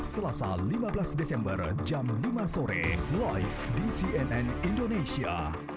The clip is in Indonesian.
selasa lima belas desember jam lima sore live di cnn indonesia